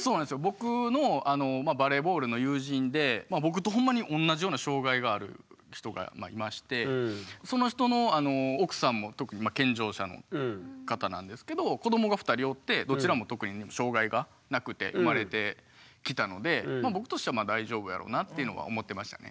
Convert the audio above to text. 僕のバレーボールの友人で僕とほんまに同じような障害がある人がいましてその人の奥さんも健常者の方なんですけど子どもが２人おってどちらも特に障害がなくて生まれてきたので僕としては大丈夫やろうなっていうのは思ってましたね。